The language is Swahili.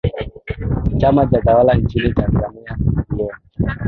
chama tawala nchini tanzania ccm